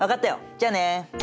じゃあね。